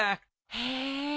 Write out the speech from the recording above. へえ。